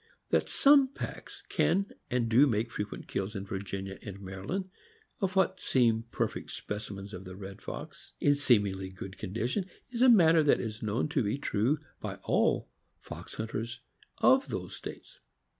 That some packs can and do make frequent kills in Virginia and Maryland of what seem perfect specimens of the red fox, in seemingly good condition, is a matter that is known to be true by all fox hunters of those States.